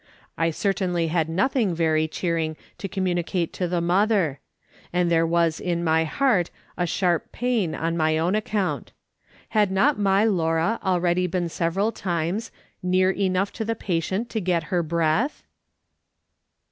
I certainly had nothing very cheering to com municate to the mother ; and there was in my heart a sharp pain on my own account. Had not my Laura already been several times " near enough to the patient to get her breath"